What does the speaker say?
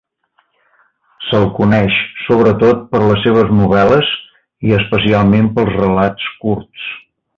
Se'l coneix sobretot per les seves novel·les i especialment pels relats curts.